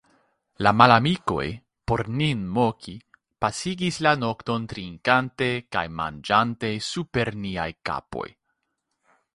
La malamikoj, por nin moki, pasigis la nokton trinkante kaj manĝante super niaj kapoj.